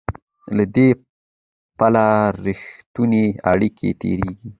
له دې پله رښتونې اړیکې تېرېږي.